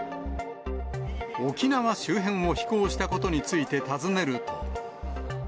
沖縄周辺を飛行したことについて尋ねると。